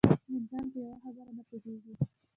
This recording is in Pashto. انسان په یوه خبره نه پوهېږي.